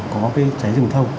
có cái cháy rừng thông